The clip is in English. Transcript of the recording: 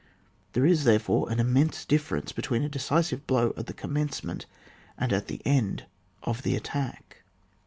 There is, therefore, an immense differ ence between a decisive blow at the com mencement and at the end of the attack.